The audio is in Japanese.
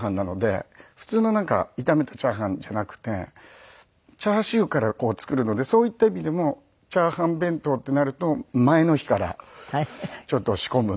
普通のなんか炒めたチャーハンじゃなくてチャーシューから作るのでそういった意味でもチャーハン弁当ってなると前の日からちょっと仕込むんですけど。